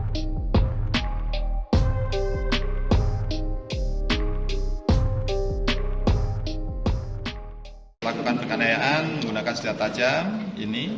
kita lakukan penganayaan menggunakan silat tajam ini